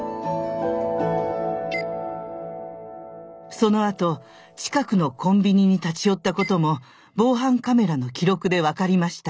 そのあと近くのコンビニに立ち寄ったことも防犯カメラの記録で分かりました。